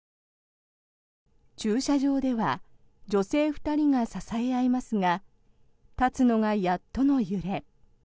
駐車場では女性２人が支え合いますが立つのがやっとの揺れ。